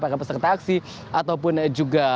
para peserta aksi ataupun juga